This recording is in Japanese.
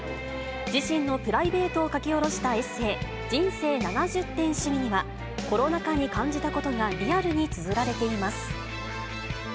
自身のプライベートを書き下ろしたエッセー、人生７０点主義には、コロナ禍に感じたことがリアルにつづられています。